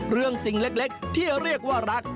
เรื่องสิ่งเล็กที่เรียกว่ารัก